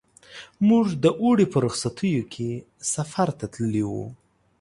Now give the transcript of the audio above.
موږ د اوړي په رخصتیو کې سفر ته تللي وو.